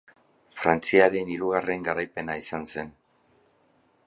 Frantziaren hirugarren garaipena izan zen.